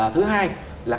thứ hai là